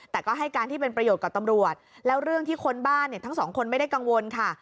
แต่ก็ให้การที่เป็นประโยชน์กับตำรวจแล้วเรื่องที่คนบ้านเนี่ยทั้งสองคนไม่ได้กังวลค่ะ